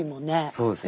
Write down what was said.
そうですね。